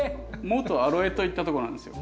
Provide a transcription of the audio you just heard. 元アロエといったとこなんですよ。